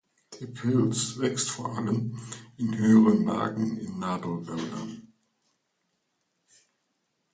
Der Pilz wächst vor allem in höheren Lagen in Nadelwäldern.